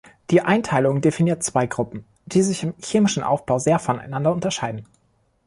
Die Einteilung definiert zwei Gruppen, die sich im chemischen Aufbau sehr voneinander unterscheiden.